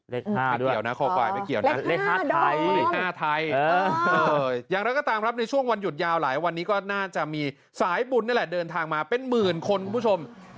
เล็ก๕ด้วยเล็ก๕ด้อมเล็ก๕ไทยอย่างนั้นก็ตามครับในช่วงวันหยุดยาวหลายวันนี้ก็น่าจะมีสายบุญนั่นแหละเดินทางมาเป็นหมื่นคนคุณผู้ชม